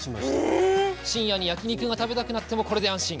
深夜に焼肉が食べたくなってもこれで安心。